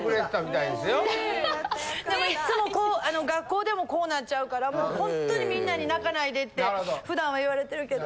でもいっつもこう学校でもこうなっちゃうからほんとにみんなに泣かないでって普段は言われてるけど。